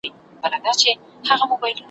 خوشحالي ده که غصه ده هم تیریږي